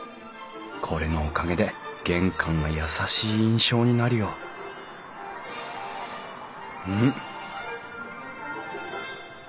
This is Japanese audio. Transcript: これのおかげで玄関が優しい印象になるよん？